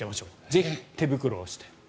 ぜひ、手袋をして。